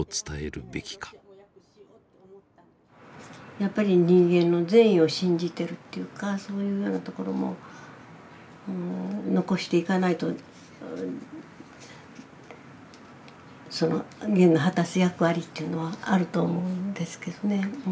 やっぱり人間の善意を信じてるというかそういうようなところも残していかないとゲンの果たす役割というのはあると思うんですけどね。